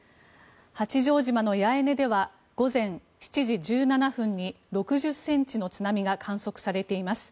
八丈島の八重根では午前７時１７分に６０ｃｍの津波が観測されています。